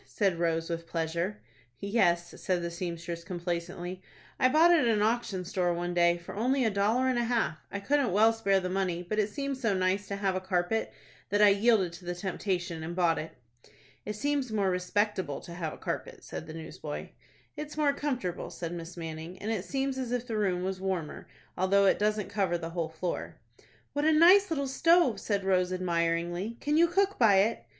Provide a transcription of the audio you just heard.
said Rose, with pleasure. "Yes," said the seamstress, complacently; "I bought it at an auction store one day, for only a dollar and a half. I couldn't well spare the money; but it seemed so nice to have a carpet, that I yielded to the temptation, and bought it." "It seems more respectable to have a carpet," said the newsboy. "It's more comfortable," said Miss Manning, "and it seems as if the room was warmer, although it doesn't cover the whole floor." "What a nice little stove!" said Rose, admiringly, "Can you cook by it?"